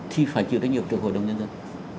thì phải chịu thách nhiệm của hội đồng nhân dân